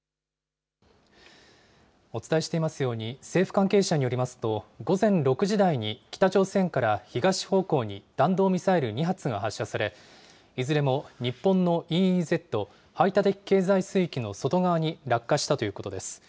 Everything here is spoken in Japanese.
お伝えしていますように、政府関係者によりますと、午前６時台に北朝鮮から東方向に弾道ミサイル２発が発射され、いずれも日本のＥＥＺ・排他的経済水域の外側に落下したということです。